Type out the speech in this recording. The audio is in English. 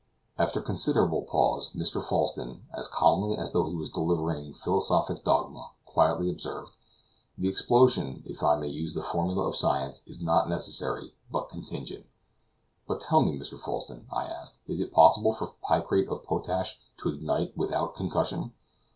After considerable pause, Mr. Falsten, as calmly as though he were delivering some philosophic dogma, quietly observed: "The explosion, if I may use the formula of science, is not necessary, but contingent." "But tell me, Mr. Falsten," I asked, "is it possible for picrate of potash to ignite without concussion?"